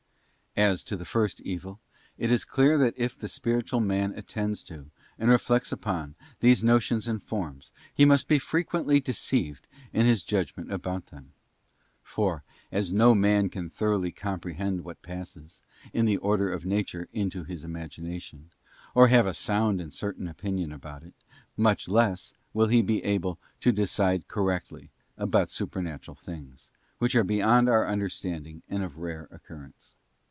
As to the first evil, it is clear that if the spiritual man attends to, and reflects upon, these notions and forms, he must be frequently deceived in his judgment about them. For as no man can thoroughly comprehend what passes, in the order of nature, into his imagination, or have a sound and certain opinion about it; much less will he be able to, decide correctly about Supernatural things, which are beyond our understanding and of rare occurrence.